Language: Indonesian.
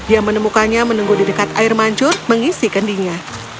ia menemukannya menunggu di dekat air mancur mengisi kendinya